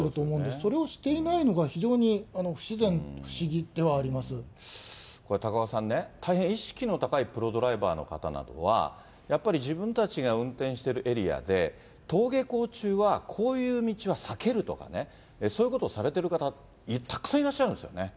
それをしていないのが、非常に不高岡さんね、大変意識の高いプロドライバーの方などは、やっぱり自分たちが運転しているエリアで、登下校中はこういう道は避けるとかね、そういうことをされてる方、たくさんいらっしゃるんですよね。